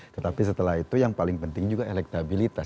tetapi setelah itu yang paling penting juga elektabilitas